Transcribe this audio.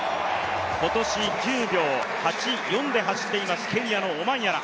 今年９秒８４で走っています、ケニアのオマンヤラ。